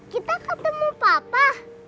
kita ketemu papa